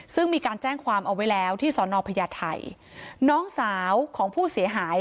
ซึ่งมีการแจ้งความเอาไว้แล้วที่สอนอพญาไทยน้องสาวของผู้เสียหาย